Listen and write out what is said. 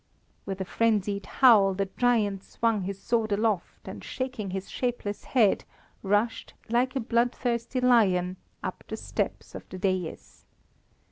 With a frenzied howl, the giant swung his sword aloft and shaking his shapeless head, rushed, like a bloodthirsty lion up the steps of the daïs.